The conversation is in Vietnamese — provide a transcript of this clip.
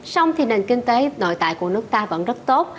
xong thì nền kinh tế nội tại của nước ta vẫn rất tốt